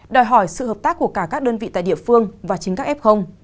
đòi hỏi sự hợp tác của cả các đơn vị tại địa phương và chính các f